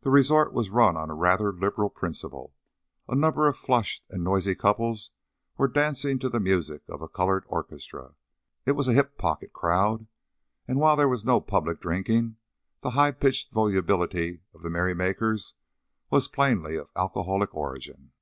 The resort was run on rather liberal principles; a number of flushed and noisy couples were dancing to the music of a colored orchestra. It was a "hip pocket" crowd, and while there was no public drinking, the high pitched volubility of the merrymakers was plainly of alcoholic origin.